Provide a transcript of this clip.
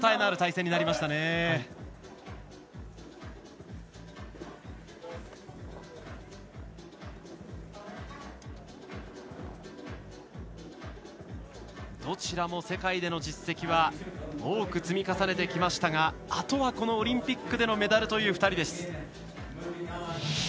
どちらも世界での実績は多く積み重ねてきましたがあとは、このオリンピックでのメダルという２人です。